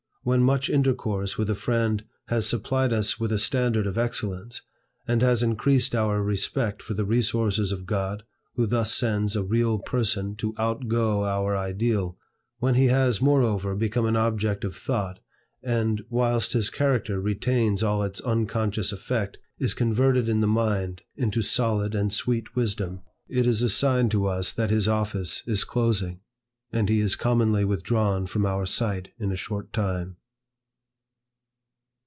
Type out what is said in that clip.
When much intercourse with a friend has supplied us with a standard of excellence, and has increased our respect for the resources of God who thus sends a real person to outgo our ideal; when he has, moreover, become an object of thought, and, whilst his character retains all its unconscious effect, is converted in the mind into solid and sweet wisdom, it is a sign to us that his office is closing, and he is commonly withdrawn from our sight in a short time.